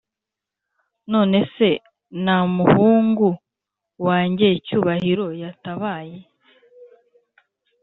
nonese na muhungu wanjye cyubahiro yatabaye?"